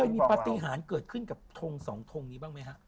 มีปฏิหารเกิดขึ้นกับทง๒ทงบ้างมั้ยฮะ